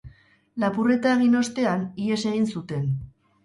Lapurreta egin ostean, ihes egin zuten.